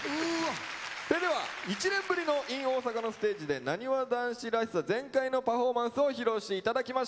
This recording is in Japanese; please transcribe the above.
それでは１年ぶりの「ｉｎ大阪」のステージでなにわ男子らしさ全開のパフォーマンスを披露して頂きましょう。